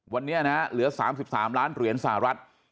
วันนี้นะเหลือ๓๓ล้านเหรียญสหรัฐ